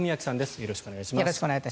よろしくお願いします。